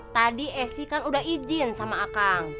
tadi esi kan udah izin sama akang